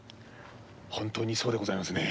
本当にそうでございますね。